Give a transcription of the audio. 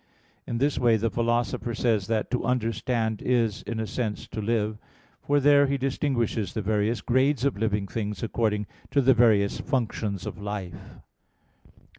In this way the Philosopher says that to understand is, in a sense, to live: for there he distinguishes the various grades of living things according to the various functions of life.